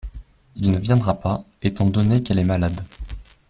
Il ne viendra pas étant donné qu’elle est malade.